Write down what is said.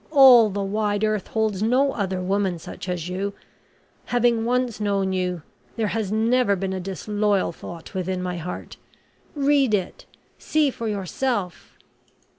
All the wide earth holds no other woman such as you. Having once known you, there has never been a disloyal thought within my heart. Read it see for yourself."